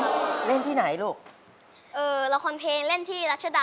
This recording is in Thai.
ซื้อของที่ไหนราคาถูกคะ